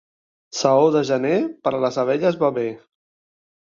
Saó de gener per a les abelles va bé.